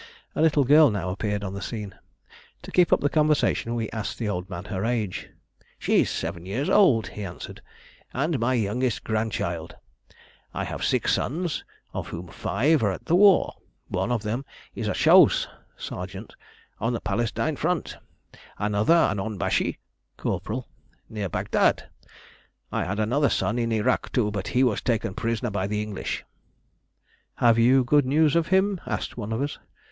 A little girl now appeared on the scene. To keep up the conversation we asked the old man her age. "She's seven years old," he answered, "and my youngest grandchild. I have six sons, of whom five are at the war. One of them is a chaouse (sergeant) on the Palestine front; another an onbashi (corporal) near Bagdad. I had another son in Irak too, but he was taken prisoner by the English." "Have you good news of him?" asked one of us.